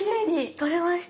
取れました。